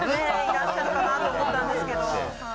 いらっしゃるかなと思ったんですけど。